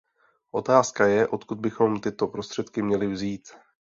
Otázka je, odkud bychom tyto prostředky měli vzít.